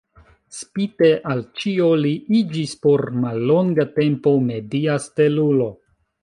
Spite al ĉio, li iĝis por mallonga tempo media stelulo.